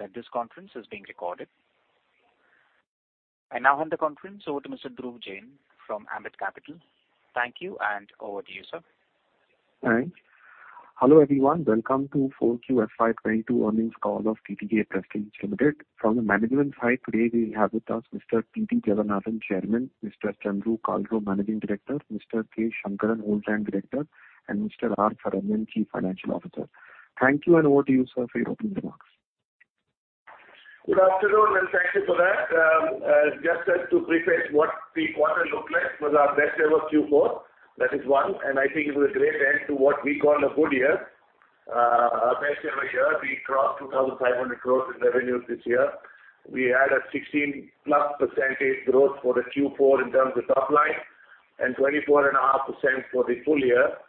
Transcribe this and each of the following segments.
Note that this conference is being recorded. I now hand the conference over to Mr. Dhruv Jain from Ambit Capital. Thank you, and over to you, sir. Thanks. Hello, everyone. Welcome to Q4 FY22 Earnings Call of TTK Prestige Limited. From the management side, today, we have with us Mr. T.T. Jagannathan, Chairman, Mr. Chandru Kalro, Managing Director, Mr. K. Shankaran, Whole Time Director, and Mr. R. Saranyan, Chief Financial Officer. Thank you, and over to you, sir, for your opening remarks. Good afternoon, and thank you for that. Just as to preface what the quarter looked like, it was our best ever Q4. That is one, and I think it was a great end to what we call a good year, our best ever year. We crossed 2,500 crores in revenues this year. We had a 16+% growth for the Q4 in terms of top line, and 24.5% for the full year.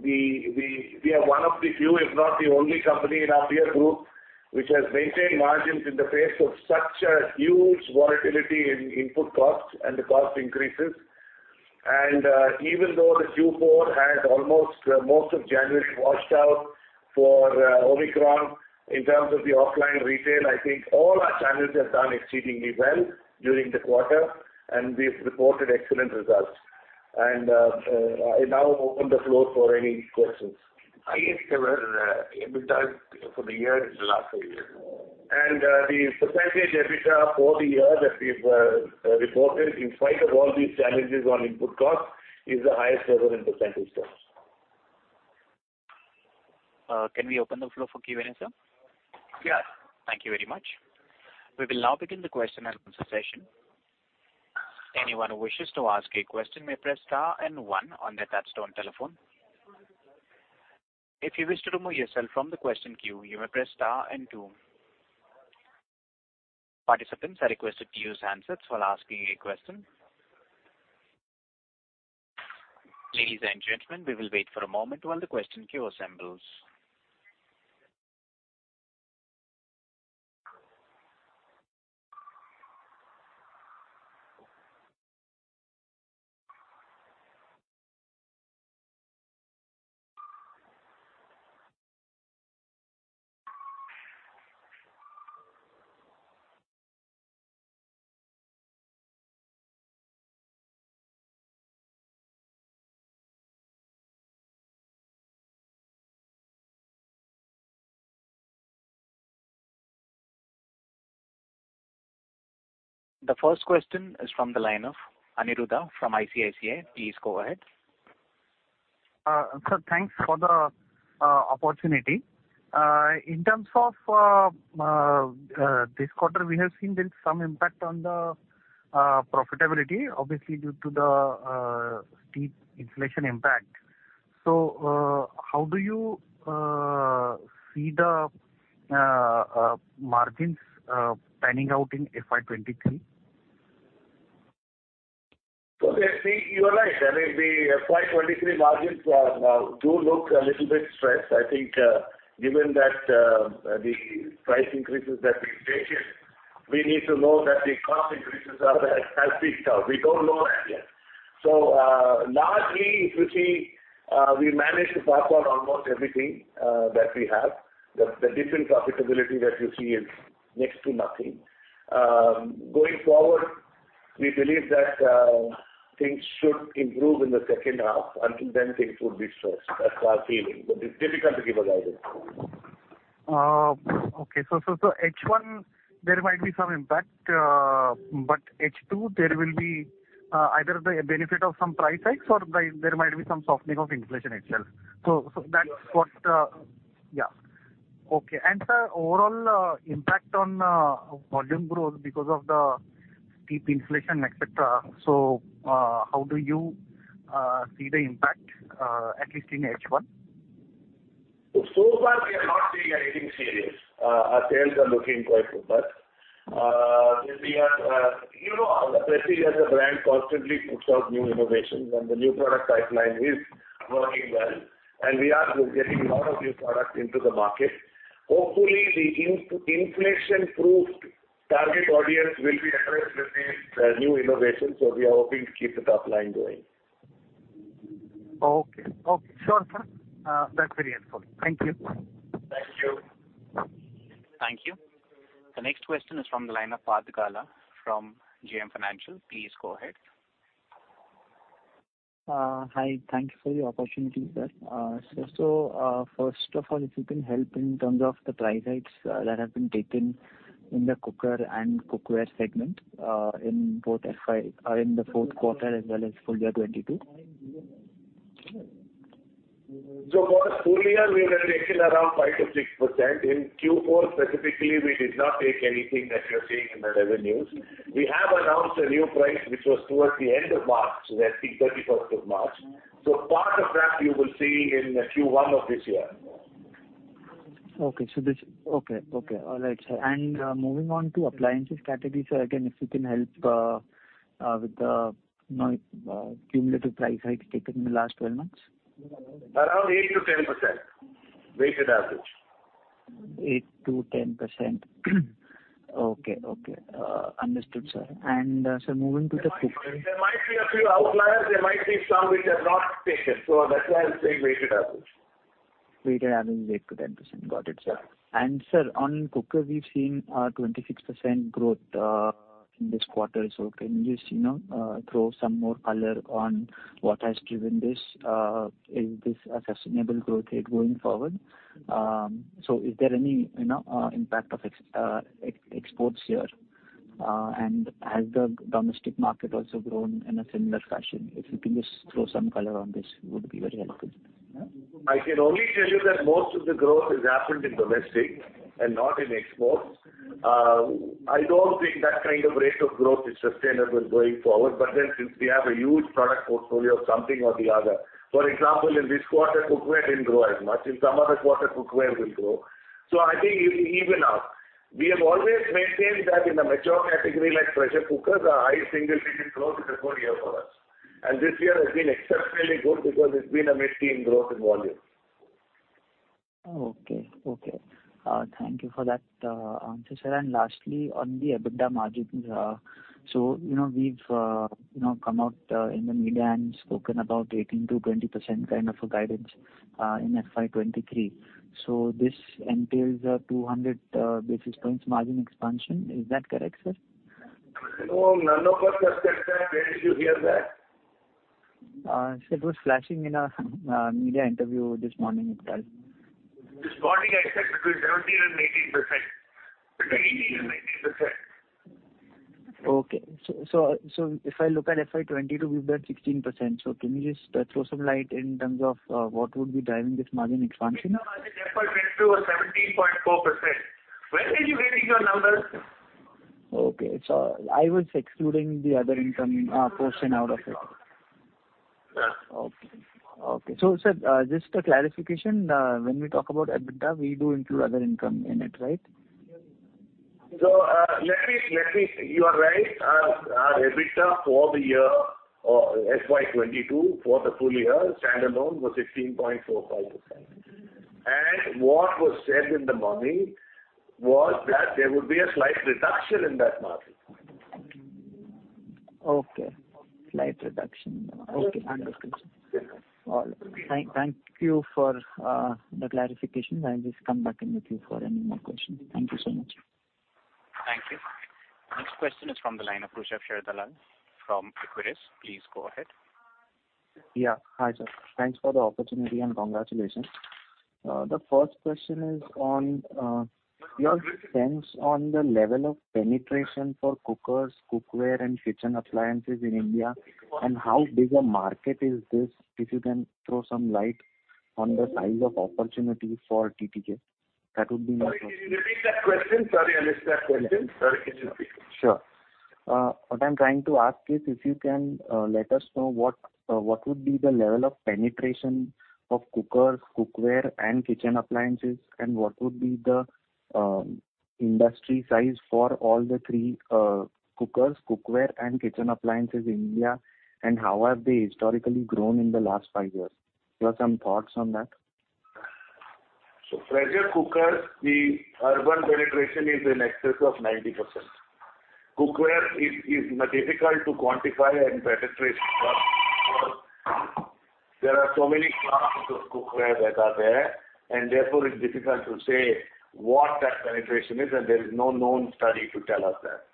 We are one of the few, if not the only company in our peer group, which has maintained margins in the face of such a huge volatility in input costs and the cost increases. Even though the Q4 had almost most of January washed out for Omicron, in terms of the offline retail, I think all our channels have done exceedingly well during the quarter, and we've reported excellent results. And, I now open the floor for any questions. Highest ever, EBITDA for the year in the last three years. The percentage EBITDA for the year that we've reported, in spite of all these challenges on input costs, is the highest ever in percentage terms. Can we open the floor for Q&A, sir? Yeah. Thank you very much. We will now begin the question and answer session. Anyone who wishes to ask a question may press star and one on their touchtone telephone. If you wish to remove yourself from the question queue, you may press star and two. Participants are requested to use handsets while asking a question. Ladies and gentlemen, we will wait for a moment while the question queue assembles. The first question is from the line of Aniruddha from ICICI. Please go ahead. Sir, thanks for the opportunity. In terms of this quarter, we have seen there's some impact on the profitability, obviously, due to the steep inflation impact. So, how do you see the margins panning out in FY23? So let's see. You are right. I mean, the FY23 margins are do look a little bit stressed. I think, given that, the price increases that we've taken, we need to know that the cost increases are have peaked out. We don't know that yet. So, largely, if you see, we managed to pass on almost everything that we have. The, the different profitability that you see is next to nothing. Going forward, we believe that things should improve in the second half. Until then, things would be stressed. That's our feeling, but it's difficult to give a guidance. Okay. So, H1, there might be some impact, but H2, there will be either the benefit of some price hikes or by there might be some softening of inflation itself. So that's what... Yeah. Okay. And, sir, overall impact on volume growth because of the steep inflation, et cetera. So, how do you see the impact, at least in H1? So far, we are not seeing anything serious. Our sales are looking quite robust. We are, you know, Prestige as a brand constantly puts out new innovations, and the new product pipeline is working well, and we are getting a lot of new products into the market. Hopefully, the inflation-proof target audience will be addressed with these, new innovations, so we are hoping to keep the top line going. Okay. Okay, sure, sir. That's very helpful. Thank you. Thank you. Thank you. The next question is from the line of Paarth Gala from JM Financial. Please go ahead. Hi. Thank you for the opportunity, sir. So, first of all, if you can help in terms of the price hikes that have been taken in the cooker and cookware segment, in both FY or in the fourth quarter as well as full year 22. So for the full year, we would have taken around 5%-6%. In Q4, specifically, we did not take anything that you're seeing in the revenues. We have announced a new price, which was towards the end of March, I think 31st of March. So part of that you will see in the Q1 of this year. All right, sir. And moving on to appliances category, sir, again, if you can help with the, you know, cumulative price hike taken in the last 12 months? Around 8%-10%, weighted average. 8%-10%.... Okay, okay, understood, sir. And, sir, moving to the cooker- There might be a few outliers, there might be some which are not taken, so that's why I'm saying weighted average. Weighted average 8%-10%. Got it, sir. Yeah. Sir, on cooker, we've seen 26% growth in this quarter. So can you just, you know, throw some more color on what has driven this? Is this a sustainable growth rate going forward? So is there any, you know, impact of exports here? And has the domestic market also grown in a similar fashion? If you can just throw some color on this, it would be very helpful. I can only tell you that most of the growth has happened in domestic and not in exports. I don't think that kind of rate of growth is sustainable going forward, but then, since we have a huge product portfolio, something or the other. For example, in this quarter, cookware didn't grow as much. In some other quarter, cookware will grow. So I think it'll even out. We have always maintained that in a mature category like pressure cookers, a high single-digit growth is a good year for us. And this year has been exceptionally good because it's been a mid-teen growth in volume. Oh, okay. Okay. Thank you for that answer, sir. And lastly, on the EBITDA margins, so, you know, we've you know come out in the media and spoken about 18%-20% kind of a guidance in FY 2023. So this entails a 200 basis points margin expansion. Is that correct, sir? No, none of us has said that. Where did you hear that? Sir, it was flashing in a media interview this morning with us. This morning, I said between 17% and 18%. Between 18% and 19%. Okay. So if I look at FY22, we've done 16%. So can you just throw some light in terms of what would be driving this margin expansion? The margin for FY22 was 17.4%. Where did you get your numbers? Okay, so I was excluding the other income portion out of it. Yeah. Okay. Okay. So, sir, just a clarification, when we talk about EBITDA, we do include other income in it, right? You are right. Our EBITDA for the year, FY22, for the full year, standalone was 16.45%. And what was said in the morning was that there would be a slight reduction in that margin. Okay. Slight reduction. Okay, understood, sir. Yeah. All right. Thank you for the clarification. I'll just come back in with you for any more questions. Thank you so much. Thank you. Next question is from the line of Rushabh Sharedalal from Equirus. Please go ahead. Yeah. Hi, sir. Thanks for the opportunity, and congratulations. The first question is on your sense on the level of penetration for cookers, cookware and kitchen appliances in India, and how big a market is this? If you can throw some light on the size of opportunity for TTK, that would be nice. Sorry, can you repeat that question? Sorry, I missed that question. Sorry, can you repeat? Sure. What I'm trying to ask is if you can let us know what what would be the level of penetration of cookers, cookware and kitchen appliances, and what would be the industry size for all the three, cookers, cookware and kitchen appliances in India, and how have they historically grown in the last five years? You have some thoughts on that? So pressure cookers, the urban penetration is in excess of 90%. Cookware is difficult to quantify and penetrate, because there are so many classes of cookware that are there, and therefore, it's difficult to say what that penetration is, and there is no known study to tell us that.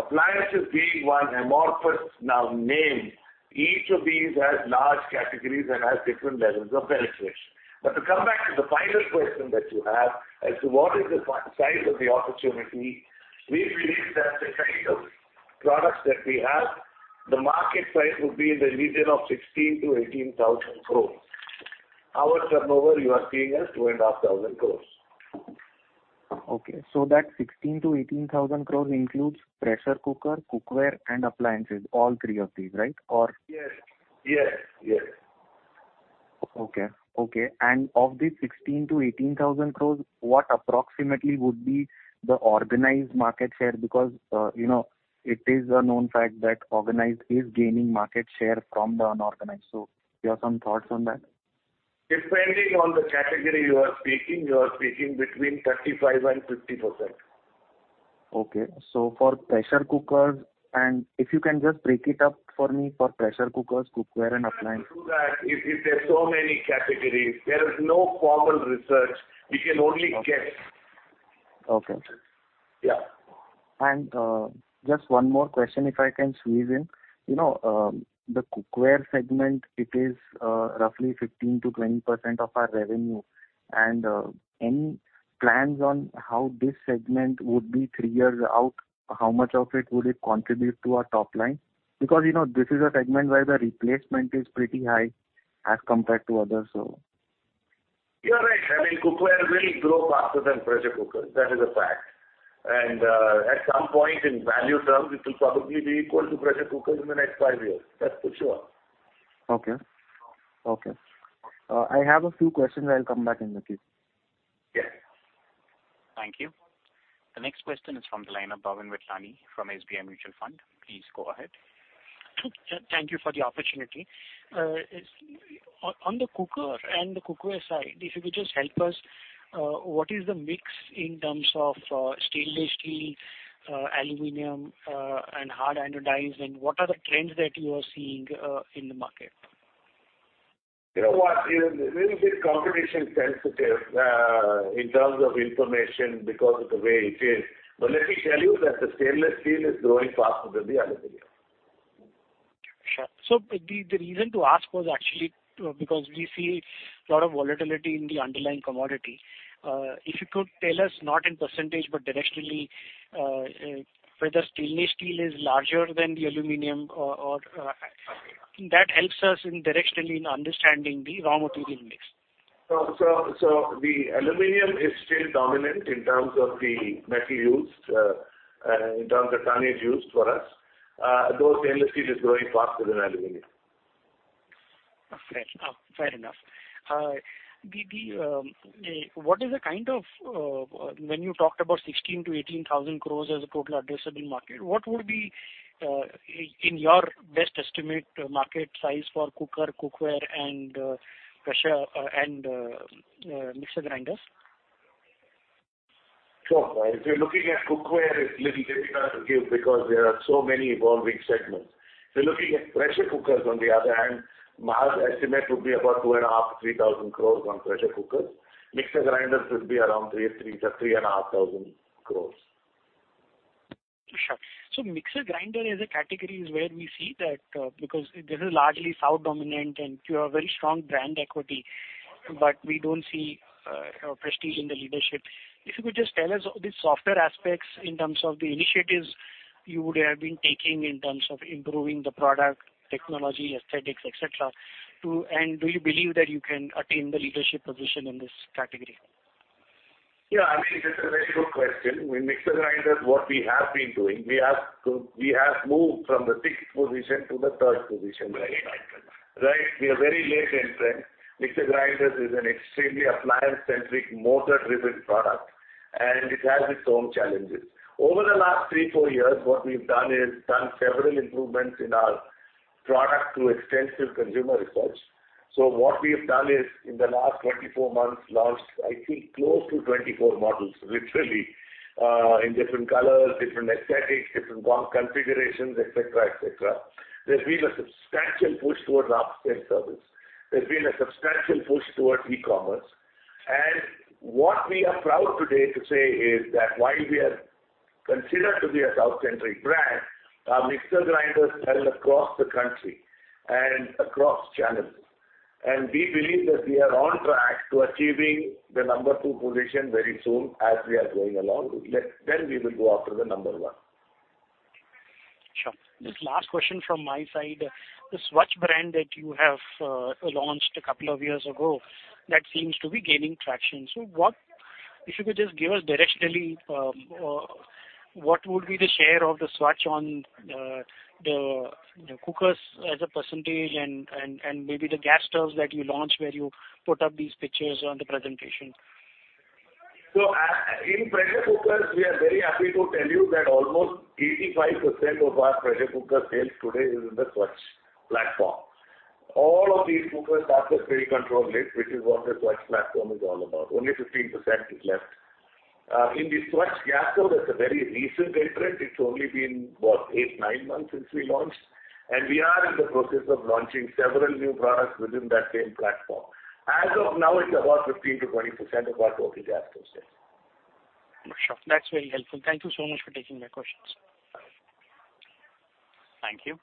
Appliances, being one amorphous now name, each of these has large categories and has different levels of penetration. But to come back to the final question that you have as to what is the size of the opportunity, we believe that the kind of products that we have, the market size would be in the region of 16,000 crores-18,000 crores. Our turnover, you are seeing as 2,500 crores. Okay. So that 16,000 crore-18,000 crore includes pressure cooker, cookware, and appliances, all three of these, right? Or- Yes. Yes, yes. Okay, okay. And of the 16,000-18,000 crore, what approximately would be the organized market share? Because, you know, it is a known fact that organized is gaining market share from the unorganized. So you have some thoughts on that? Depending on the category you are speaking, you are speaking between 35%-50%. Okay, so for pressure cookers. If you can just break it up for me for pressure cookers, cookware, and appliance. To do that, it is. There's so many categories. There is no formal research. We can only guess. Okay. Yeah. Just one more question, if I can squeeze in. You know, the cookware segment, it is, roughly 15%-20% of our revenue. Any plans on how this segment would be three years out? How much of it would it contribute to our top line? Because, you know, this is a segment where the replacement is pretty high as compared to others, so. You're right. I mean, cookware will grow faster than pressure cookers. That is a fact. And, at some point in value terms, it will probably be equal to pressure cookers in the next five years. That's for sure. Okay. Okay. I have a few questions. I'll come back in with you. Yes. Thank you. The next question is from the line of Bhavin Vithlani from SBI Mutual Fund. Please go ahead.... Thank you for the opportunity. On the cooker and the cookware side, if you could just help us, what is the mix in terms of stainless steel, aluminum, and hard anodized? And what are the trends that you are seeing in the market? You know what? It is a little bit competition sensitive in terms of information, because of the way it is. But let me tell you that the stainless steel is growing faster than the aluminum. Sure. So the reason to ask was actually because we see a lot of volatility in the underlying commodity. If you could tell us, not in percentage, but directionally, whether stainless steel is larger than the aluminum or... That helps us directionally in understanding the raw material mix. So the aluminum is still dominant in terms of the metal used, in terms of tonnage used for us, though stainless steel is growing faster than aluminum. Okay, fair enough. What is the kind of, when you talked about 16,000-18,000 crore as a total addressable market, what would be, in your best estimate, market size for cooker, cookware, and pressure, and mixer grinders? Sure. If you're looking at cookware, it's a little difficult to give, because there are so many evolving segments. If you're looking at pressure cookers, on the other hand, my estimate would be about 2,500-3,000 crores on pressure cookers. Mixer grinders would be around 3,000-3,500 crores. Sure. So mixer grinder is a category where we see that, because this is largely South dominant, and you have very strong brand equity, but we don't see Prestige in the leadership. If you could just tell us the softer aspects in terms of the initiatives you would have been taking in terms of improving the product, technology, aesthetics, et cetera, and do you believe that you can attain the leadership position in this category? Yeah, I mean, that's a very good question. In mixer grinders, what we have been doing, we have moved from the sixth position to the third position in mixer grinders, right? We are very late entrants. Mixer grinders is an extremely appliance-centric, motor-driven product, and it has its own challenges. Over the last three-four years, what we've done is, done several improvements in our product through extensive consumer research. So what we've done is, in the last 24 months, launched, I think, close to 24 models, literally, in different colors, different aesthetics, different configurations, et cetera, et cetera. There's been a substantial push towards after-sale service. There's been a substantial push towards e-commerce. And what we are proud today to say is that while we are considered to be a south-centric brand, our mixer grinders sell across the country and across channels. We believe that we are on track to achieving the number two position very soon as we are going along. Then we will go after the number one. Sure. Just last question from my side. The Svachh brand that you have launched a couple of years ago, that seems to be gaining traction. So what—if you could just give us directionally, what would be the share of the Svachh on the cookers as a percentage and maybe the gas stoves that you launched, where you put up these pictures on the presentation? In pressure cookers, we are very happy to tell you that almost 85% of our pressure cooker sales today is in the Svachh platform. All of these cookers have the spillage control lid, which is what the Svachh platform is all about. Only 15% is left. In the Svachh gas stove, that's a very recent entrant. It's only been eight-nine months since we launched, and we are in the process of launching several new products within that same platform. As of now, it's about 15%-20% of our total gas stove sales. Sure. That's very helpful. Thank you so much for taking my questions. Thank you.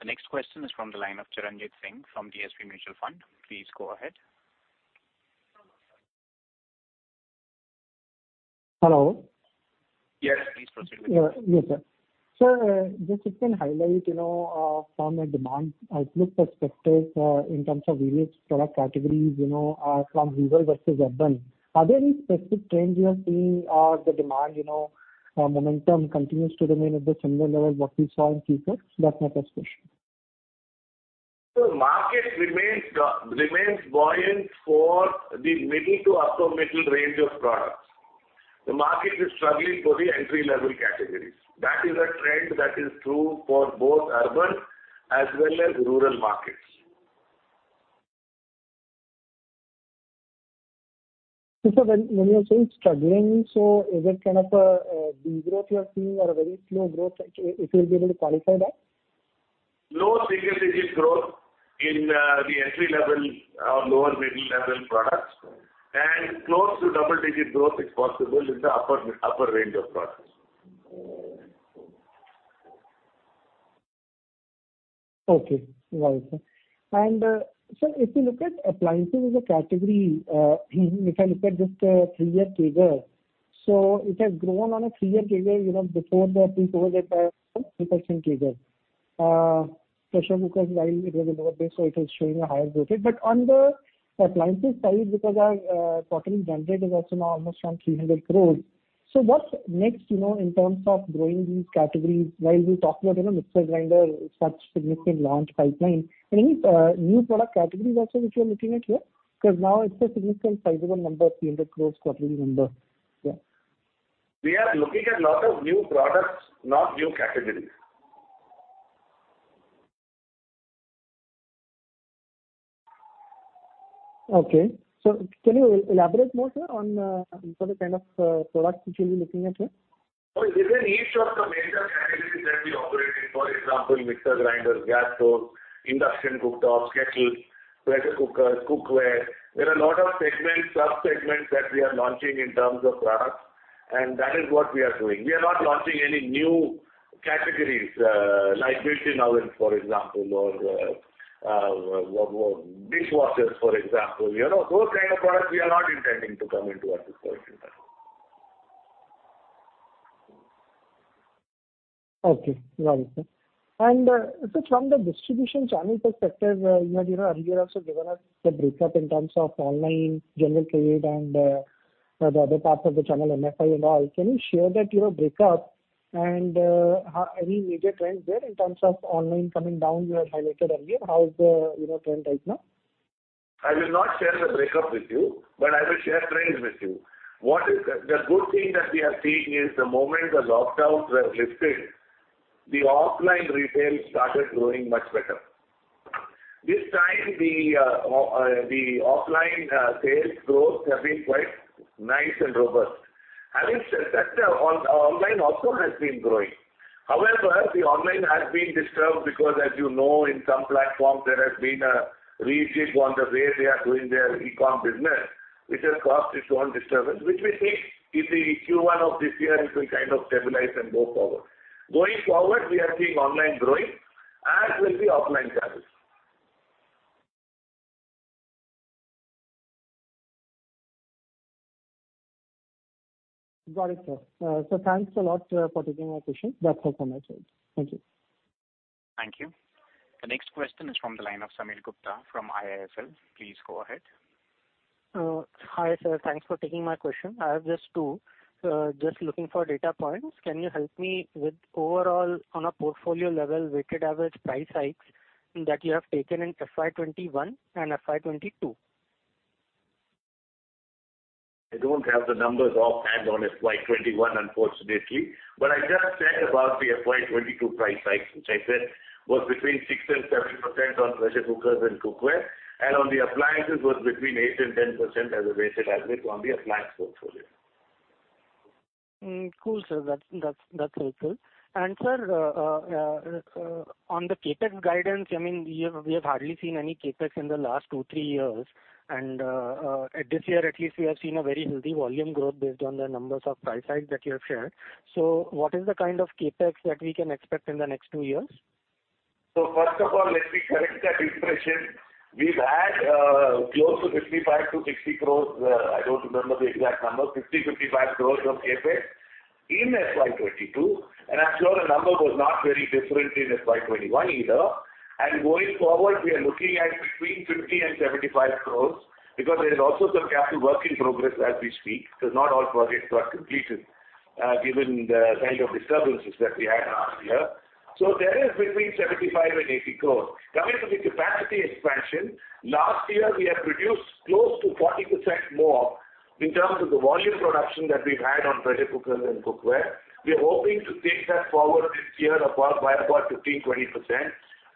The next question is from the line of Charanjit Singh from DSP Mutual Fund. Please go ahead. Hello. Yes, please proceed with me. Yeah. Yes, sir. So, just if you can highlight, you know, from a demand outlook perspective, in terms of various product categories, you know, from rural versus urban, are there any specific trends you are seeing or the demand, you know, momentum continues to remain at the similar level, what we saw in Q4? That's my first question. Market remains buoyant for the middle to upper middle range of products. The market is struggling for the entry-level categories. That is a trend that is true for both urban as well as rural markets. So sir, when you are saying struggling, so is it kind of a degrowth you are seeing or a very slow growth? If you will be able to qualify that. Low single-digit growth in the entry-level or lower middle-level products, and close to double-digit growth, if possible, in the upper, upper range of products. Okay. Right, sir. And so if you look at appliances as a category, if I look at just a three-year CAGR, so it has grown on a three-year CAGR, you know, before the pre-COVID by 3% CAGR. Pressure cookers, while it was a lower base, so it is showing a higher growth rate. But on the appliances side, because our quarterly spend rate is also now almost around 300 crores. So what's next, you know, in terms of growing these categories? While we talk about, you know, mixer grinder, such significant launch pipeline, any new product categories also which you are looking at here? Because now it's a significant sizable number, 300 crores quarterly number. Yeah.... We are looking at lot of new products, not new categories. Okay. So can you elaborate more, sir, on sort of kind of products which you'll be looking at here? Well, within each of the major categories that we operate in, for example, mixer grinders, gas stoves, induction cooktops, kettles, pressure cookers, cookware, there are a lot of segments, sub-segments that we are launching in terms of products, and that is what we are doing. We are not launching any new categories, like built-in ovens, for example, or, dishwashers, for example. You know, those kind of products we are not intending to come into at this point in time. Okay, got it, sir. And, so from the distribution channel perspective, you had, you know, earlier also given us the breakup in terms of online, general trade, and, the other parts of the channel, MFI and all. Can you share that, you know, breakup and, any major trends there in terms of online coming down, you had highlighted earlier? How is the, you know, trend right now? I will not share the breakup with you, but I will share trends with you. The good thing that we are seeing is the moment the lockdowns were lifted, the offline retail started growing much better. This time, the offline sales growth have been quite nice and robust. Having said that, online also has been growing. However, the online has been disturbed because, as you know, in some platforms there has been a re shift on the way they are doing their e-com business, which has caused its own disturbance, which we think in the Q1 of this year, it will kind of stabilize and go forward. Going forward, we are seeing online growing, as will be offline channels. Got it, sir. Thanks a lot for taking my question. That's all from my side. Thank you. Thank you. The next question is from the line of Sameer Gupta from IIFL. Please go ahead. Hi, sir. Thanks for taking my question. I have just two. Just looking for data points. Can you help me with overall, on a portfolio level, weighted average price hikes that you have taken in FY21 and FY22? I don't have the numbers offhand on FY21, unfortunately, but I just said about the FY22 price hikes, which I said was between 6%-7% on pressure cookers and cookware, and on the appliances was between 8%-10% as a weighted average on the appliance portfolio. Cool, sir. That's, that's, that's helpful. And, sir, on the CapEx guidance, I mean, we have, we have hardly seen any CapEx in the last two-three years. And, at this year, at least, we have seen a very healthy volume growth based on the numbers of price hikes that you have shared. So what is the kind of CapEx that we can expect in the next two years? So first of all, let me correct that impression. We've had close to 55-60 crores, I don't remember the exact number, 50, 55 crores on CapEx in FY 2022, and I'm sure the number was not very different in FY 2021 either. And going forward, we are looking at between 50-75 crores, because there is also some capital work in progress as we speak, because not all projects are completed, given the kind of disturbances that we had last year. So there is between 75-80 crores. Coming to the capacity expansion, last year we have reduced close to 40% more in terms of the volume production that we've had on pressure cookers and cookware. We are hoping to take that forward this year by about 15%-20%,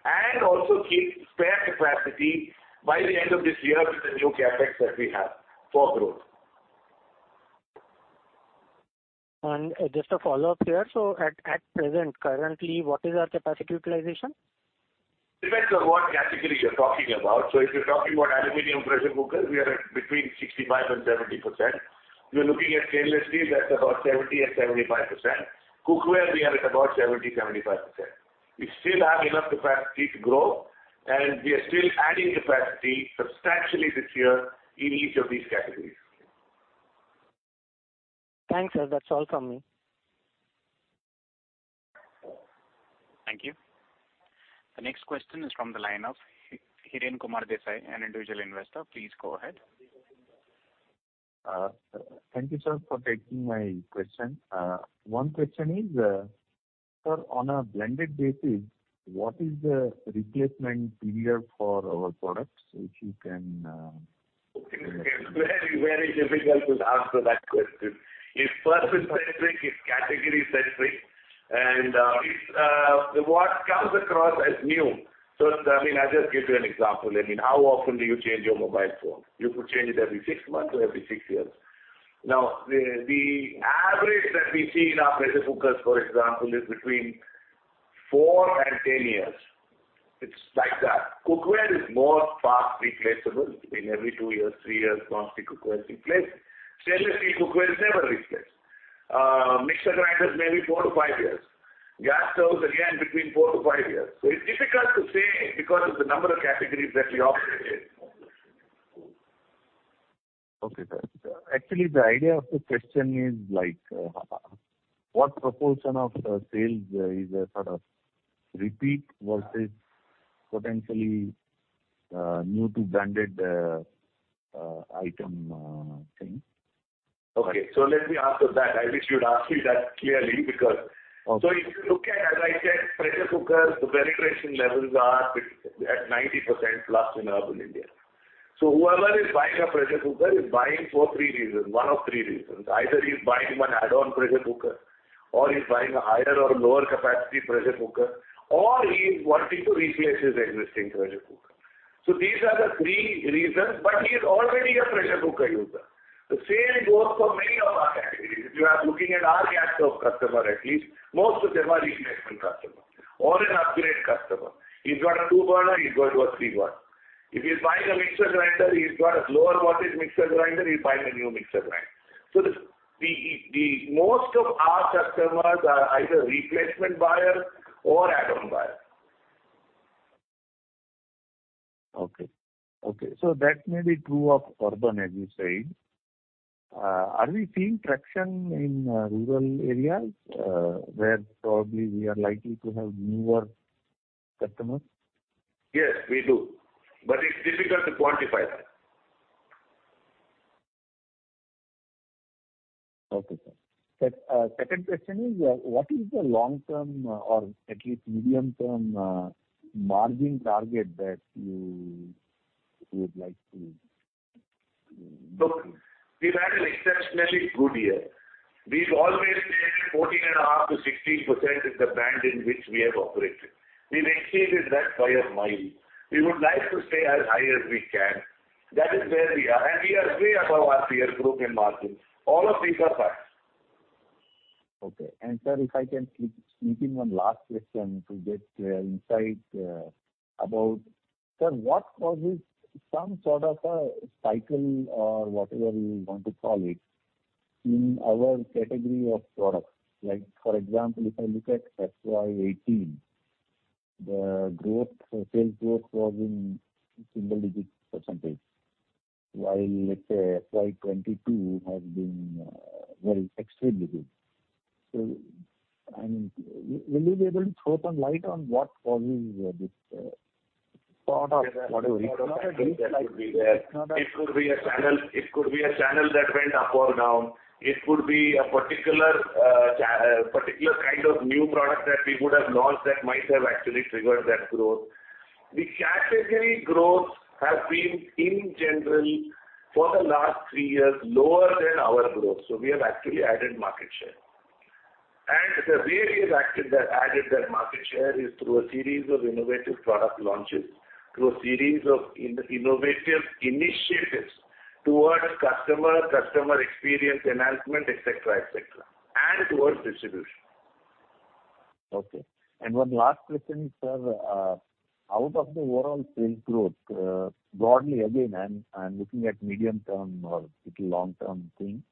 and also keep spare capacity by the end of this year with the new CapEx that we have for growth. Just a follow-up here: so at present, currently, what is our capacity utilization? Depends on what category you're talking about. So if you're talking about aluminum pressure cookers, we are at between 65% and 70%. We are looking at stainless steel, that's about 70%-75%. We still have enough capacity to grow, and we are still adding capacity substantially this year in each of these categories. Thanks, sir. That's all from me. Thank you. The next question is from the line of Hiren Kumar Desai, an individual investor. Please go ahead. Thank you, sir, for taking my question. One question is, sir, on a blended basis, what is the replacement period for our products, if you can? It's very, very difficult to answer that question. It's person-centric, it's category-centric, and it's what comes across as new. So, I mean, I'll just give you an example. I mean, how often do you change your mobile phone? You could change it every six months or every six years. Now, the average that we see in our pressure cookers, for example, is between four and 10 years. It's like that. Cookware is more fast replaceable, between every two years, three years, nonstick cookware is replaced. Stainless steel cookware is never replaced. Mixer grinders may be four-five years. Gas stoves again, between four-five years. So it's difficult to say because of the number of categories that we operate in. Okay, sir. Actually, the idea of the question is, like, what proportion of the sales is a sort of repeat versus potentially, new to branded, item, thing? Okay, so let me answer that. I wish you'd asked me that clearly, because- Okay. So if you look at, as I said, pressure cookers, the penetration levels are at 90% plus in rural India. So whoever is buying a pressure cooker is buying for three reasons, one of three reasons. Either he's buying one add-on pressure cooker, or he's buying a higher or lower capacity pressure cooker, or he's wanting to replace his existing pressure cooker. So these are the three reasons, but he is already a pressure cooker user. The same goes for many of our categories. If you are looking at our category of customer, at least, most of them are replacement customer or an upgrade customer. He's got a two burner, he's got a three burner. If he's buying a mixer grinder, he's got a lower wattage mixer grinder, he's buying a new mixer grinder. Most of our customers are either replacement buyer or add-on buyer. Okay. Okay, so that may be true of urban, as you're saying. Are we seeing traction in rural areas, where probably we are likely to have newer customers? Yes, we do, but it's difficult to quantify that. Okay, sir. Second question is, what is the long-term or at least medium-term, margin target that you would like to? Look, we've had an exceptionally good year. We've always said 14.5%-16% is the band in which we have operated. We've exceeded that by a mile. We would like to stay as high as we can. That is where we are, and we are way above our peer group in margins. All of these are facts. Okay. Sir, if I can sneak in one last question to get insight about... Sir, what causes some sort of a cycle or whatever you want to call it, in our category of products? Like, for example, if I look at FY 2018, the growth, sales growth was in single-digit %, while, let's say, FY 2022 has been very extremely good. So, I mean, will you be able to throw some light on what causes this sort of whatever? It could be a channel, it could be a channel that went up or down. It could be a particular kind of new product that we would have launched that might have actually triggered that growth. The category growth has been, in general, for the last three years, lower than our growth, so we have actually added market share. And the way we've added that market share is through a series of innovative product launches, through a series of innovative initiatives towards customer experience enhancement, et cetera, et cetera, and towards distribution. Okay. And one last question, sir. Out of the overall sales growth, broadly, again, I'm looking at medium term or little long-term thing,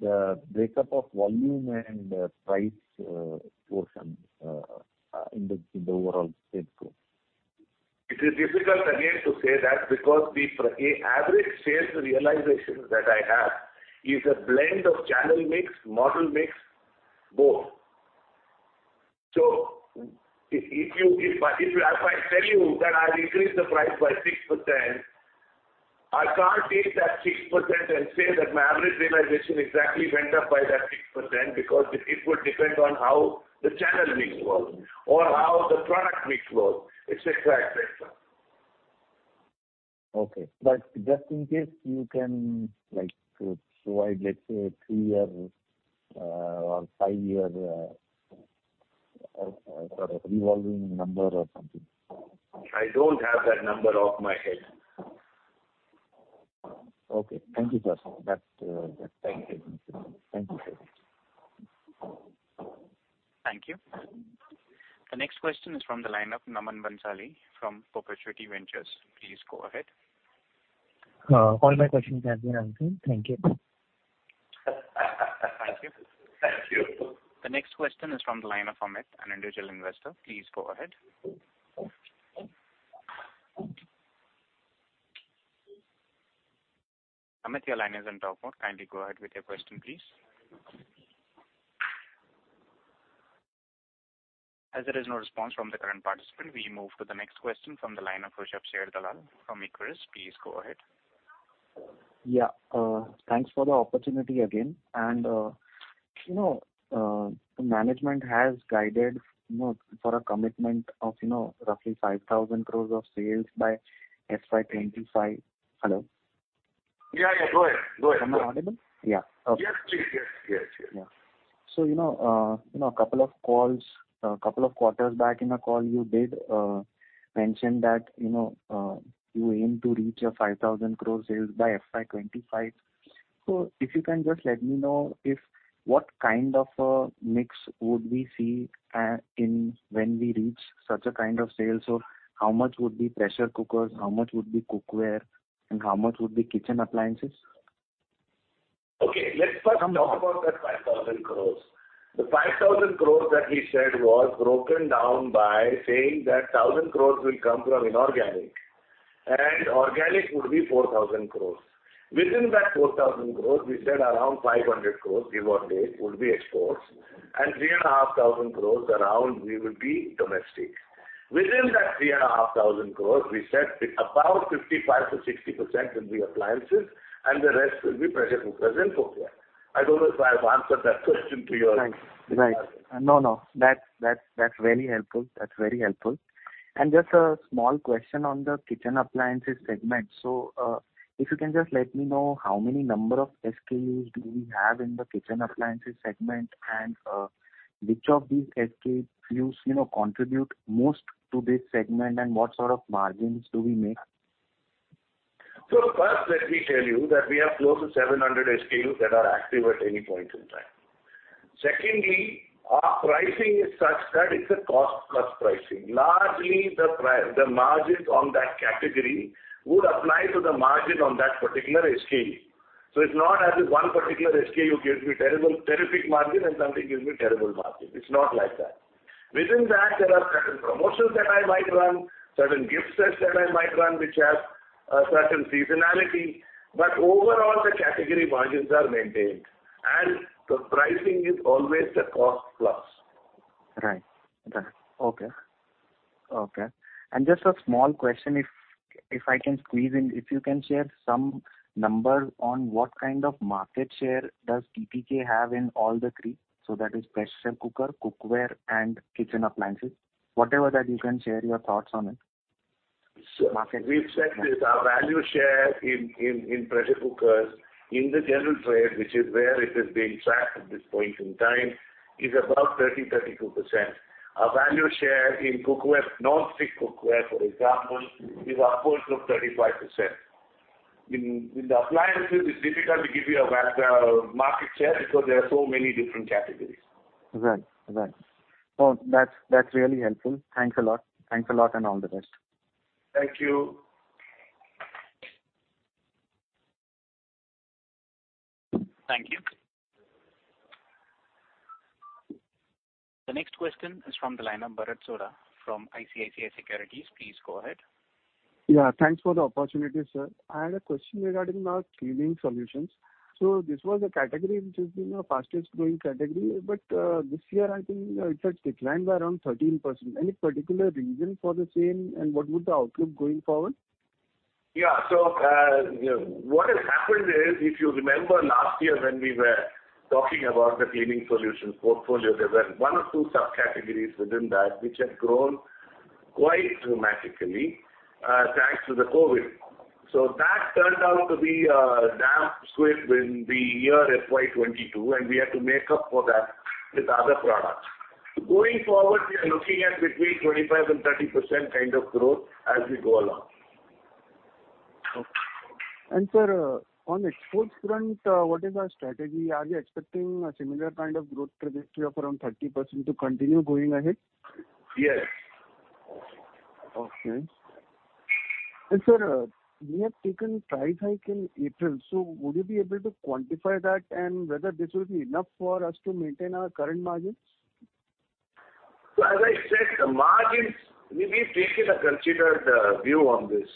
the breakup of volume and price portion in the overall sales growth. It is difficult, again, to say that, because the average sales realization that I have is a blend of channel mix, model mix, both. So if, if you, if I, if I tell you that I've increased the price by 6%, I can't take that 6% and say that my average realization exactly went up by that 6%, because it would depend on how the channel mix was or how the product mix was, et cetera, et cetera. Okay. But just in case you can, like, provide, let's say, a three-year or five-year sort of revolving number or something. I don't have that number off my head. Okay. Thank you, sir. That's, thank you. Thank you, sir. Thank you. The next question is from the line of Naman Bhansali from Perpetuity Ventures. Please go ahead. All my questions have been answered. Thank you. Thank you. Thank you. The next question is from the line of Amit, an individual investor. Please go ahead. Amit, your line is on talk mode. Kindly go ahead with your question, please. As there is no response from the current participant, we move to the next question from the line of Rushabh Sharedalal from Equirus. Please go ahead. Yeah, thanks for the opportunity again. And, you know, the management has guided, you know, for a commitment of, you know, roughly 5,000 crore of sales by FY 2025. Hello? Yeah, yeah. Go ahead. Go ahead. Am I audible? Yeah. Yes, please. Yes, yes, yes. So, you know, a couple of calls, a couple of quarters back in a call, you did mention that, you know, you aim to reach 5,000 crore sales by FY25. So if you can just let me know what kind of a mix would we see in when we reach such a kind of sales, or how much would be pressure cookers, how much would be cookware, and how much would be kitchen appliances? Okay, let's first talk about that 5,000 crore. The 5,000 crore that we said was broken down by saying that 1,000 crore will come from inorganic, and organic would be 4,000 crore. Within that 4,000 crore, we said around 500 crore, give or take, would be exports, and 3,500 crore, around, we would be domestic. Within that 3,500 crore, we said about 55%-60% will be appliances, and the rest will be pressure cookers and cookware.... I don't know if I have answered that question to your- Right. Right. No, no, that's, that's, that's very helpful. That's very helpful. And just a small question on the kitchen appliances segment. So, if you can just let me know, how many number of SKUs do we have in the kitchen appliances segment? And, which of these SKUs, you know, contribute most to this segment, and what sort of margins do we make? So first, let me tell you that we have close to 700 SKUs that are active at any point in time. Secondly, our pricing is such that it's a cost plus pricing. Largely, the margins on that category would apply to the margin on that particular SKU. So it's not as if one particular SKU gives me terrific margin, and something gives me terrible margin. It's not like that. Within that, there are certain promotions that I might run, certain gift sets that I might run, which have certain seasonality. But overall, the category margins are maintained, and the pricing is always a cost plus. Right. Right. Okay. Okay, and just a small question, if I can squeeze in. If you can share some numbers on what kind of market share does TTK have in all the three, so that is pressure cooker, cookware, and kitchen appliances. Whatever that you can share your thoughts on it, market share. So we've said this, our value share in pressure cookers, in the General Trade, which is where it is being tracked at this point in time, is about 32%. Our value share in cookware, non-stick cookware, for example, is upwards of 35%. In the appliances, it's difficult to give you a market share because there are so many different categories. Right. Right. Well, that's, that's really helpful. Thanks a lot. Thanks a lot, and all the best. Thank you. Thank you. The next question is from the line of Bharat Chhoda from ICICI Securities. Please go ahead. Yeah, thanks for the opportunity, sir. I had a question regarding our cleaning solutions. So this was a category which has been our fastest growing category, but this year, I think it had declined by around 13%. Any particular reason for the same, and what would the outlook going forward? Yeah. So, what has happened is, if you remember last year when we were talking about the cleaning solutions portfolio, there were one or two subcategories within that which had grown quite dramatically, thanks to the COVID. So that turned out to be a damp squib in the year FY22, and we had to make up for that with other products. Going forward, we are looking at between 25%-30% kind of growth as we go along. Okay. And sir, on exports front, what is our strategy? Are we expecting a similar kind of growth trajectory of around 30% to continue going ahead? Yes. Okay. And sir, we have taken price hike in April, so would you be able to quantify that and whether this will be enough for us to maintain our current margins? So as I said, the margins, we've taken a considered view on this.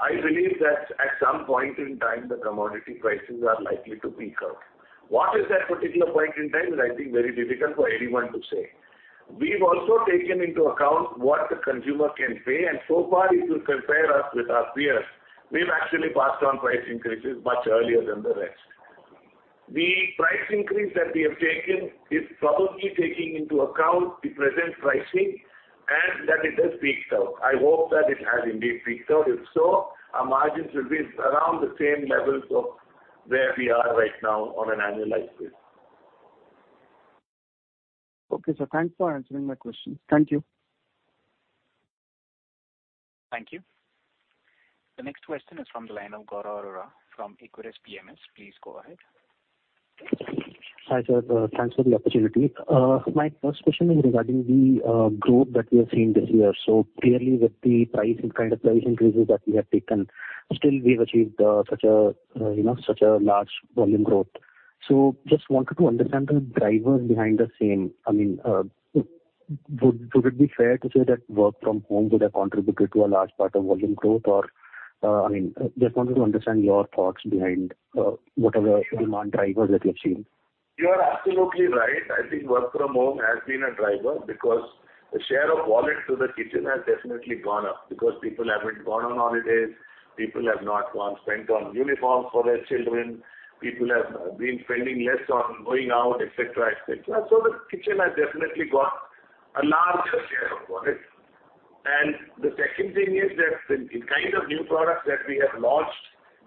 I believe that at some point in time, the commodity prices are likely to peak out. What is that particular point in time is, I think, very difficult for anyone to say. We've also taken into account what the consumer can pay, and so far, if you compare us with our peers, we've actually passed on price increases much earlier than the rest. The price increase that we have taken is probably taking into account the present pricing and that it has peaked out. I hope that it has indeed peaked out. If so, our margins will be around the same levels of where we are right now on an annualized basis. Okay, sir. Thanks for answering my questions. Thank you. Thank you. The next question is from the line of Gaurav Arora from Equirus PMS. Please go ahead. Hi, sir. Thanks for the opportunity. My first question is regarding the growth that we are seeing this year. So clearly, with the price and kind of price increases that we have taken, still we've achieved such a, you know, such a large volume growth. So just wanted to understand the drivers behind the same. I mean, would it be fair to say that work from home would have contributed to a large part of volume growth? Or, I mean, just wanted to understand your thoughts behind whatever demand drivers that you're seeing. You are absolutely right. I think work from home has been a driver, because the share of wallet to the kitchen has definitely gone up, because people haven't gone on holidays, people have not gone spent on uniforms for their children, people have been spending less on going out, et cetera, et cetera. So the kitchen has definitely got a larger share of wallet. The second thing is that the kind of new products that we have launched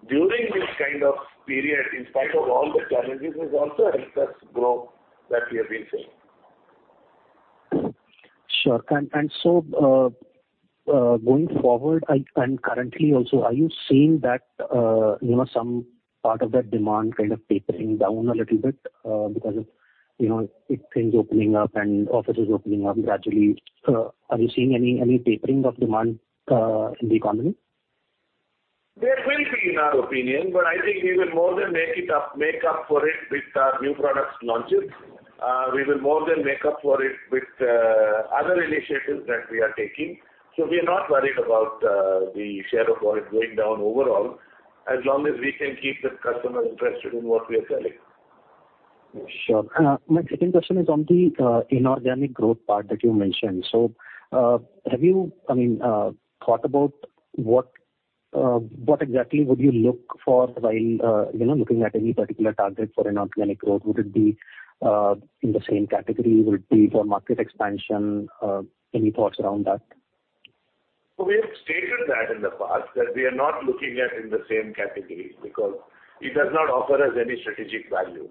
during this kind of period, in spite of all the challenges, has also helped us grow that we have been seeing. Sure. And so, going forward and currently also, are you seeing that, you know, some part of that demand kind of tapering down a little bit, because of, you know, things opening up and offices opening up gradually? Are you seeing any tapering of demand in the economy? There will be, in our opinion, but I think we will more than make it up, make up for it with our new products launches. We will more than make up for it with other initiatives that we are taking. So we are not worried about the share of wallet going down overall, as long as we can keep the customer interested in what we are selling. Sure. My second question is on the inorganic growth part that you mentioned. So, have you, I mean, thought about what exactly would you look for while, you know, looking at any particular target for an organic growth? Would it be in the same category? Would it be for market expansion? Any thoughts around that? We have stated that in the past, that we are not looking at in the same category, because it does not offer us any strategic value.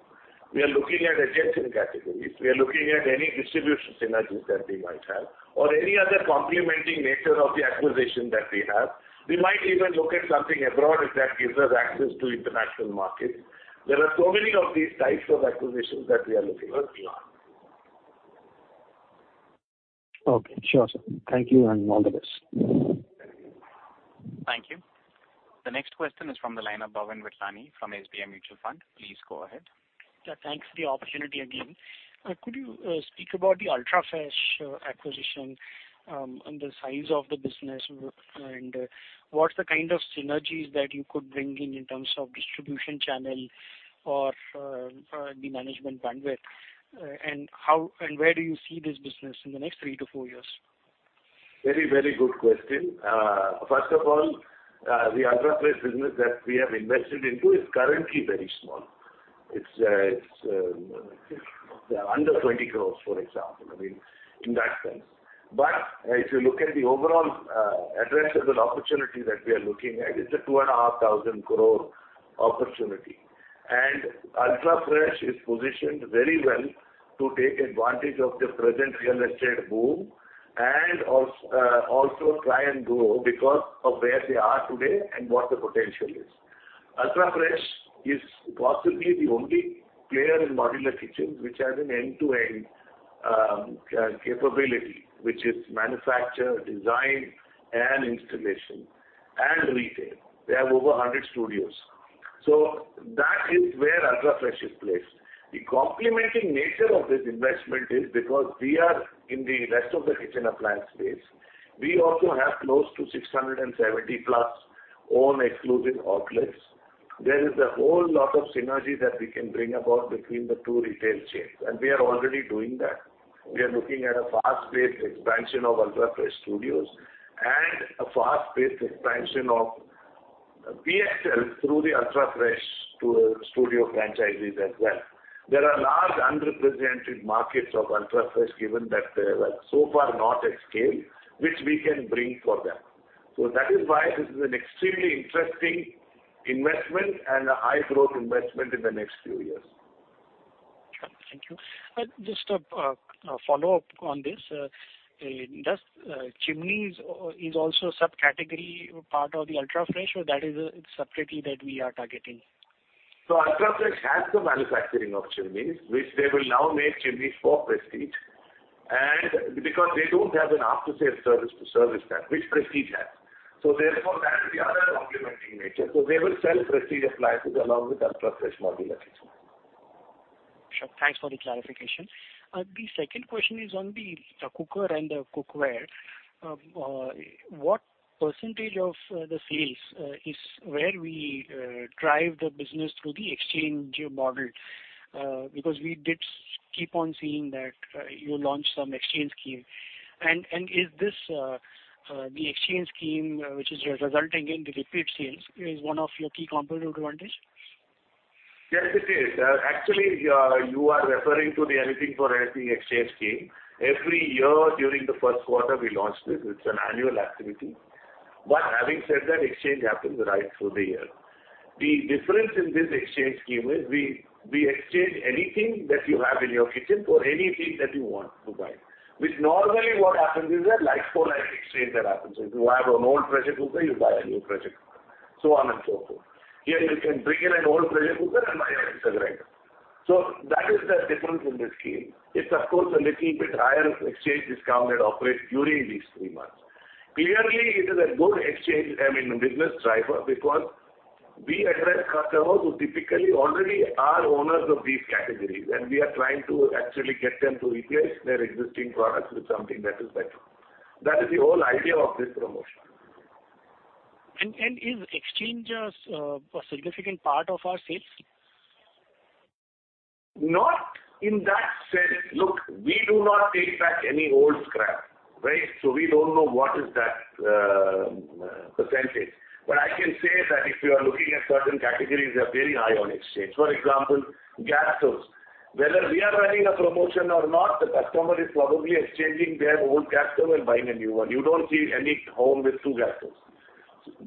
We are looking at adjacent categories. We are looking at any distribution synergies that we might have or any other complementing nature of the acquisition that we have. We might even look at something abroad, if that gives us access to international markets. There are so many of these types of acquisitions that we are looking at beyond. Okay, sure, sir. Thank you, and all the best. Thank you. The next question is from the line of Bhavin Vithlani from SBI Mutual Fund. Please go ahead. Yeah, thanks for the opportunity again. Could you speak about the Ultrafresh acquisition, and the size of the business, and what's the kind of synergies that you could bring in, in terms of distribution channel or, the management bandwidth? And how and where do you see this business in the next three to four years? Very, very good question. First of all, the Ultrafresh business that we have invested into is currently very small. It's under 20 crores, for example, I mean, in that sense. But if you look at the overall addressable opportunity that we are looking at, it's a 2,500 crore opportunity. And Ultrafresh is positioned very well to take advantage of the present real estate boom, and also try and grow because of where they are today and what the potential is. Ultrafresh is possibly the only player in modular kitchen, which has an end-to-end capability, which is manufacture, design, and installation, and retail. They have over 100 studios. So that is where Ultrafresh is placed. The complementing nature of this investment is because we are in the rest of the kitchen appliance space. We also have close to 670+ own exclusive outlets. There is a whole lot of synergy that we can bring about between the two retail chains, and we are already doing that. We are looking at a fast-paced expansion of Ultrafresh studios and a fast-paced expansion of PXL through the Ultrafresh studio franchises as well. There are large unrepresented markets of Ultrafresh, given that they were so far not at scale, which we can bring for them. So that is why this is an extremely interesting investment and a high-growth investment in the next few years. Thank you. Just a follow-up on this. Does chimneys is also a subcategory part of the Ultrafresh, or that is separately that we are targeting? So Ultrafresh has the manufacturing of chimneys, which they will now make chimneys for Prestige, and because they don't have an after-sales service to service that, which Prestige has. So therefore, that we are a complementary nature, so they will sell Prestige appliances along with Ultrafresh modular kitchen. Sure. Thanks for the clarification. The second question is on the cooker and the cookware. What percentage of the sales is where we drive the business through the exchange model? Because we did keep on seeing that you launched some exchange scheme. And is this the exchange scheme, which is resulting in the repeat sales, is one of your key competitive advantage? Yes, it is. Actually, you are referring to the Anything for Anything exchange scheme. Every year during the first quarter, we launch this. It's an annual activity. But having said that, exchange happens right through the year. The difference in this exchange scheme is we exchange anything that you have in your kitchen for anything that you want to buy, which normally what happens is a like-for-like exchange that happens. If you have an old pressure cooker, you buy a new pressure cooker, so on and so forth. Here, you can bring in an old pressure cooker and buy a mixer grinder. So that is the difference in this scheme. It's of course a little bit higher exchange discount that operates during these three months. Clearly, it is a good exchange, I mean, business driver, because we address customers who typically already are owners of these categories, and we are trying to actually get them to replace their existing products with something that is better. That is the whole idea of this promotion. Is exchange a significant part of our sales? Not in that sense. Look, we do not take back any old scrap, right? So we don't know what is that percentage. But I can say that if you are looking at certain categories, they are very high on exchange. For example, gas stoves. Whether we are running a promotion or not, the customer is probably exchanging their old gas stove and buying a new one. You don't see any home with two gas stoves.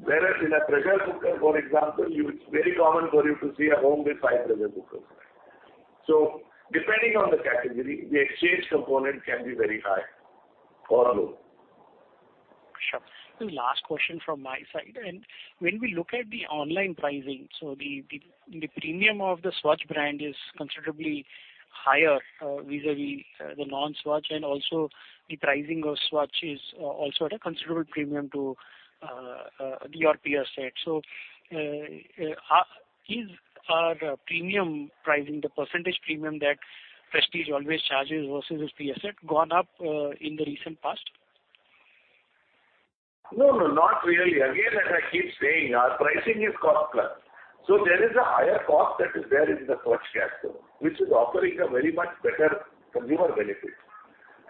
Whereas in a pressure cooker, for example, it's very common for you to see a home with five pressure cookers. So depending on the category, the exchange component can be very high or low. Sure. The last question from my side, and when we look at the online pricing, so the premium of the Swatch brand is considerably higher, vis-à-vis, the non-Swatch, and also the pricing of Swatch is also at a considerable premium to, the RPS set. So, is our premium pricing, the percentage premium that Prestige always charges versus its RPS set, gone up, in the recent past? No, no, not really. Again, as I keep saying, our pricing is cost plus. So there is a higher cost that is there in the Swatch gas stove, which is offering a very much better consumer benefit.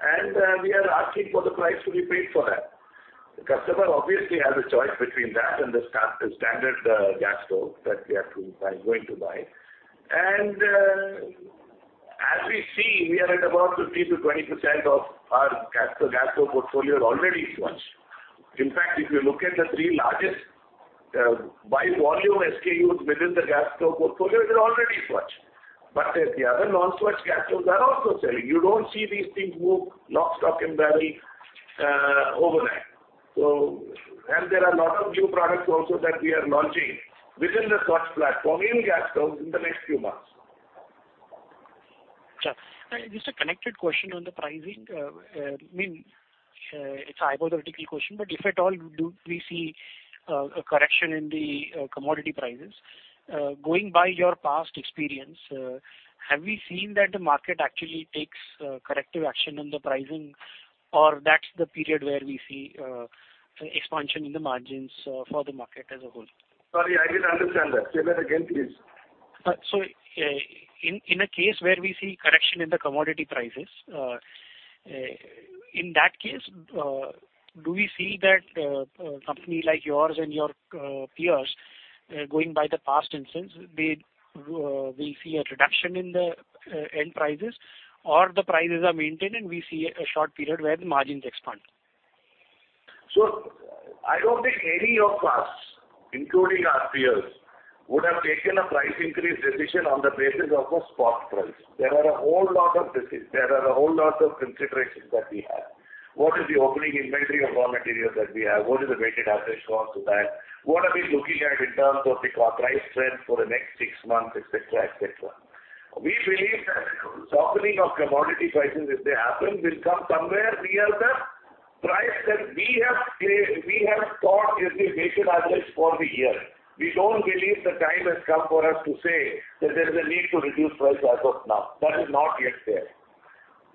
And, we are asking for the price to be paid for that. The customer obviously has a choice between that and the sta- the standard gas stove that we are to going to buy. And, as we see, we are at about 15%-20% of our gas, the gas stove portfolio already is Swatch. In fact, if you look at the three largest by volume SKUs within the gas stove portfolio, it is already Swatch. But the other non-Swatch gas stoves are also selling. You don't see these things move, lock, stock, and barrel overnight. There are a lot of new products also that we are launching within the Svachh platform, in gas stoves, in the next few months. Sure. Just a connected question on the pricing. I mean, it's a hypothetical question, but if at all, do we see a correction in the commodity prices? Going by your past experience, have we seen that the market actually takes corrective action on the pricing, or that's the period where we see expansion in the margins for the market as a whole? Sorry, I didn't understand that. Say that again, please. So, in a case where we see correction in the commodity prices, in that case, do we see that a company like yours and your peers, going by the past instance, they will see a reduction in the end prices, or the prices are maintained, and we see a short period where the margins expand? I don't think any of us, including our peers, would have taken a price increase decision on the basis of a spot price. There are a whole lot of considerations that we have. What is the opening inventory of raw materials that we have? What is the weighted average cost of that? What are we looking at in terms of the commodity price trend for the next six months, et cetera, et cetera? We believe that softening of commodity prices, if they happen, will come somewhere near the price that we have, say, we have thought is the weighted average for the year. We don't believe the time has come for us to say that there is a need to reduce price as of now. That is not yet there.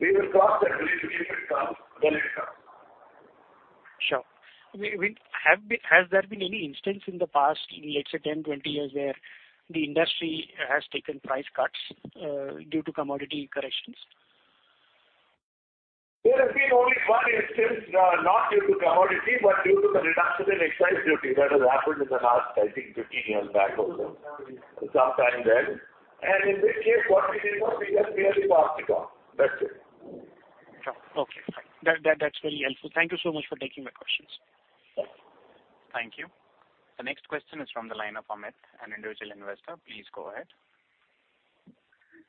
We will cross that bridge, if it comes, when it comes. Sure. Has there been any instance in the past, let's say, 10, 20 years, where the industry has taken price cuts due to commodity corrections? There has been only one instance, not due to commodity, but due to the reduction in excise duty that has happened in the last, I think, 15 years back or so, sometime then. In this case, what we did was we just merely passed it on. That's it. Sure. Okay, fine. That, that, that's very helpful. Thank you so much for taking my questions. Thank you. The next question is from the line of Amit, an individual investor. Please go ahead.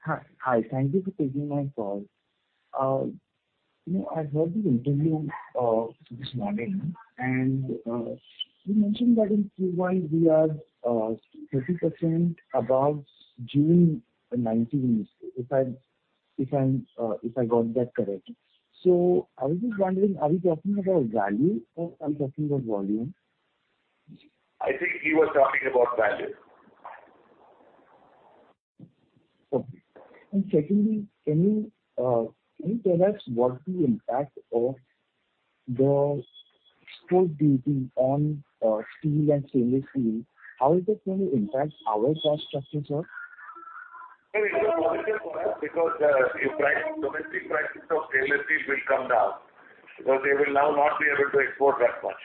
Hi. Thank you for taking my call. You know, I heard the interview this morning, and you mentioned that in Q1, we are 30% above June 2019, if I, if I'm, if I got that correct. So I was just wondering, are we talking about value, or are we talking about volume? I think he was talking about value. Okay. And secondly, can you tell us what the impact of the export duty on steel and stainless steel, how is that going to impact our cost structures, sir? It is a positive for us, because domestic prices of stainless steel will come down, because they will now not be able to export that much.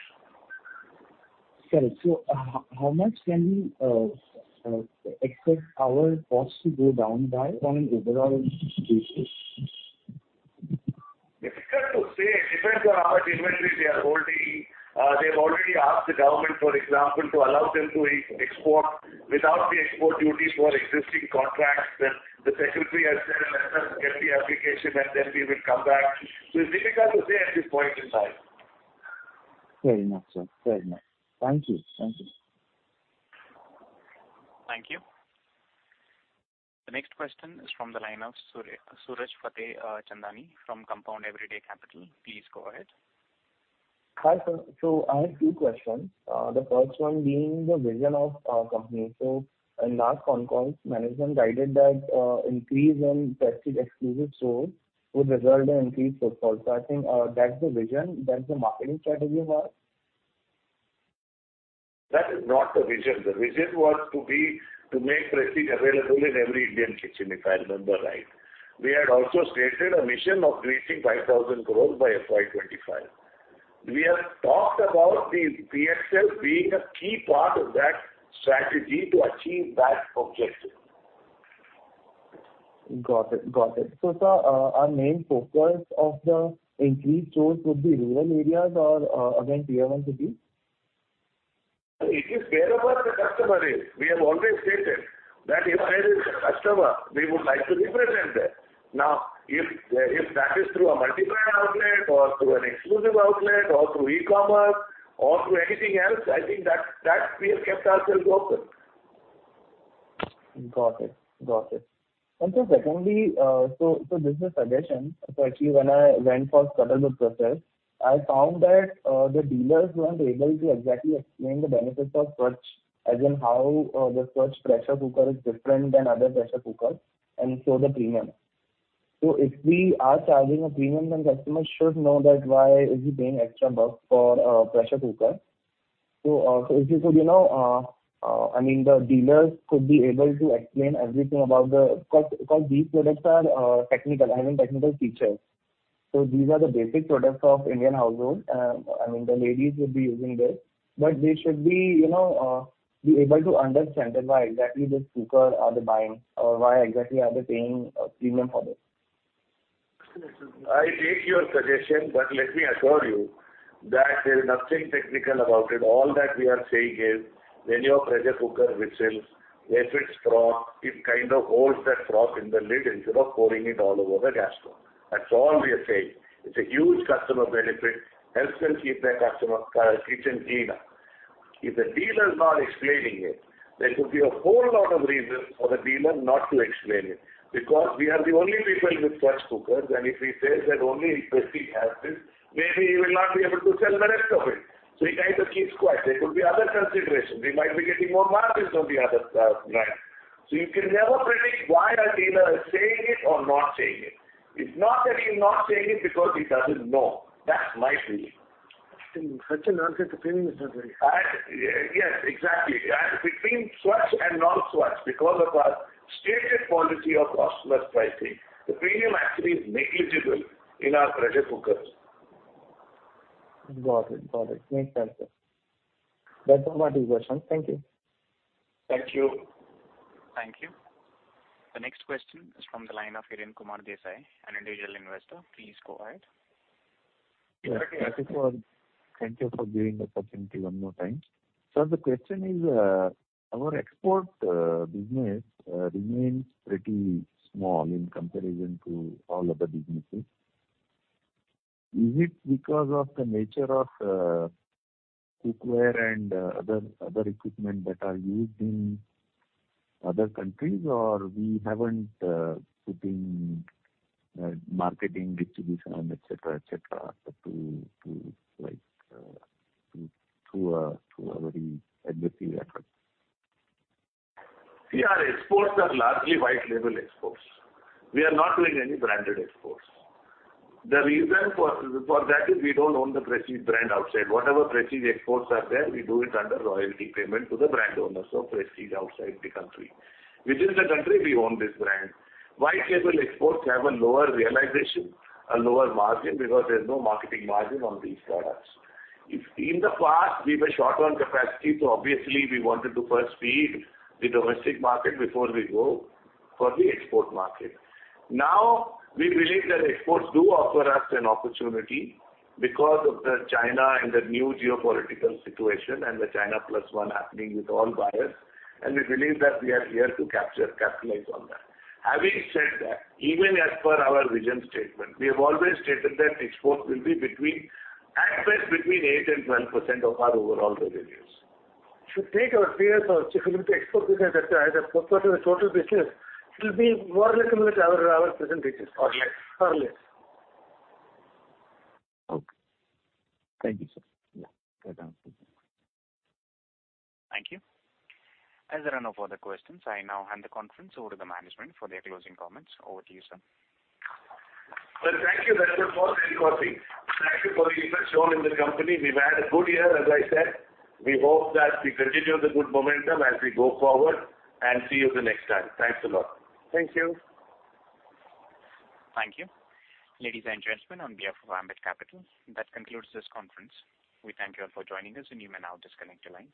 Sorry. So how much can we expect our costs to go down by on an overall basis? Difficult to say. It depends on how much inventory they are holding. They have already asked the government, for example, to allow them to export without the export duties for existing contracts. Then the secretary has said, "Let us get the application, and then we will come back." So it's difficult to say at this point in time. Fair enough, sir. Fair enough. Thank you. Thank you. Thank you. The next question is from the line of Punit Patni from Compound Everyday Capital. Please go ahead. Hi, sir. I have two questions. The first one being the vision of our company. In last Con Call, management guided that increase in Prestige exclusive stores would result in increased footfall. I think, that's the vision, that's the marketing strategy of ours? That is not the vision. The vision was to be, to make Prestige available in every Indian kitchen, if I remember right. We had also stated a mission of reaching 5,000 crore by FY25. We have talked about the PXL being a key part of that strategy to achieve that objective. Got it. Got it. So, sir, our main focus of the increased stores would be rural areas or, again, Tier One cities? It is wherever the customer is. We have always stated that if there is a customer, we would like to represent there. Now, if, if that is through a multi-brand outlet or through an exclusive outlet or through e-commerce or through anything else, I think that, that we have kept ourselves open. Got it. Got it. And so secondly, this is a suggestion. So actually, when I went for pressure cooker purchase, I found that the dealers weren't able to exactly explain the benefits of Swatch, as in how the Swatch pressure cooker is different than other pressure cookers, and so the premium. So if we are charging a premium, then customers should know that why is he paying extra buck for a pressure cooker? So if you could, you know, I mean, the dealers could be able to explain everything about the, because these products are technical, having technical features. So these are the basic products of Indian households. I mean, the ladies would be using this, but they should be, you know, be able to understand that why exactly this cooker are they buying or why exactly are they paying a premium for this? I take your suggestion, but let me assure you that there's nothing technical about it. All that we are saying is, when your pressure cooker whistles, if it's frothy, it kind of holds that froth in the lid instead of pouring it all over the gas stove. That's all we are saying. It's a huge customer benefit, helps them keep their customer, kitchen cleaner. If the dealer is not explaining it, there could be a whole lot of reasons for the dealer not to explain it, because we are the only people with such cookers, and if he says that only Prestige has this, maybe he will not be able to sell the rest of it. So he kind of keeps quiet. There could be other considerations. He might be getting more margins on the other, brands. You can never predict why a dealer is saying it or not saying it. It's not that he's not saying it because he doesn't know. That's my feeling. Svachh, an answer to premium, isn't it? I, yes, exactly. And between Svachh and non-Svachh, because of our stated policy of customer pricing, the premium actually is negligible in our pressure cookers. Got it. Got it. Makes sense, sir. That's about two questions. Thank you. Thank you. Thank you. The next question is from the line of Hiren Kumar Desai, an individual investor. Please go ahead. Thank you for, thank you for giving the opportunity one more time. Sir, the question is, our export business remains pretty small in comparison to all other businesses. Is it because of the nature of cookware and other equipment that are used in other countries, or we haven't put in marketing, distribution, et cetera, et cetera, to, to, like, to, to, to our, the advocacy efforts? See, our exports are largely white label exports. We are not doing any branded exports. The reason for that is we don't own the Prestige brand outside. Whatever Prestige exports are there, we do it under royalty payment to the brand owners of Prestige outside the country. Within the country, we own this brand. white label exports have a lower realization, a lower margin, because there's no marketing margin on these products. If in the past, we were short on capacity, so obviously we wanted to first feed the domestic market before we go for the export market. Now, we believe that exports do offer us an opportunity because of the China and the new geopolitical situation and the China Plus One happening with all buyers, and we believe that we are here to capture, capitalize on that. Having said that, even as per our vision statement, we have always stated that exports will be between, at best, between 8 and 10% of our overall revenues. If you take our previous export business as a proportion of the total business, it'll be more or less similar to our, our present business. More or less. More or less. Okay. Thank you, sir. Yeah. Thank you. As there are no further questions, I now hand the conference over to the management for their closing comments. Over to you, sir. Well, thank you very much for the inquiry. Thank you for the interest shown in the company. We've had a good year, as I said. We hope that we continue the good momentum as we go forward, and see you the next time. Thanks a lot. Thank you. Thank you. Ladies and gentlemen, on behalf of Ambit Capital, that concludes this conference. We thank you all for joining us, and you may now disconnect your lines.